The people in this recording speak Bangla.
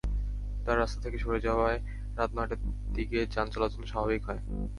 তারা রাস্তা থেকে সরে যাওয়ায় রাত নয়টার দিকে যান চলাচল স্বাভাবিক হয়।